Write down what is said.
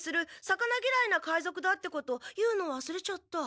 魚ぎらいな海賊だってこと言うのわすれちゃった。